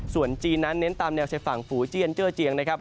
ส่วนจีนนั้นเน้นตามแนวชายฝั่งฝูเจียนเจอร์เจียงนะครับ